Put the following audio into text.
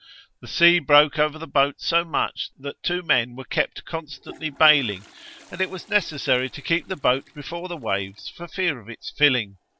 The sea broke over the boat so much, that two men were kept constantly baling; and it was necessary to keep the boat before the waves for fear of its filling.